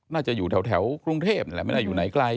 น่าจะอยู่แถวกรุงเทพแหละไม่ได้อยู่ไหนไกล